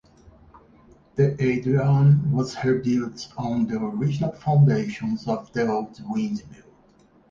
De Adriaan was rebuilt on the original foundations of the old windmill.